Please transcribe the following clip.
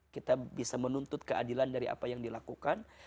kita bisa menuntut keadilan dari apa yang dilakukan